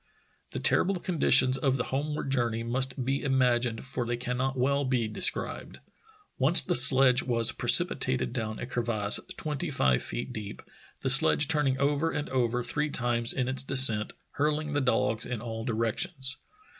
The terrible conditions of the homeward journey must be imagined for they cannot well be described. Once the sledge was precipitated down a crevasse twenty five feet deep, the sledge turning over and over three times in its descent, hurling the dogs in all di rections.